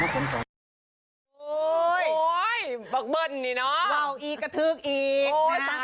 บักเบิ่นเนี่ยเนาะ